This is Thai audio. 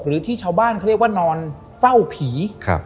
หรือที่ชาวบ้านเขาเรียกว่านอนเฝ้าผี